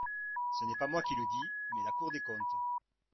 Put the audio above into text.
Ce n’est pas moi qui le dis, mais la Cour des comptes.